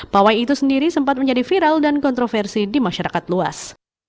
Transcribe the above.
pawai itu sendiri sempat menjadi viral dan kontroversi di masyarakat luas